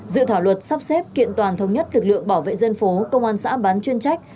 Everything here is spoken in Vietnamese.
dự thảo luật sắp xếp kiện toàn thống nhất lực lượng bảo vệ dân phố công an xã bán chuyên trách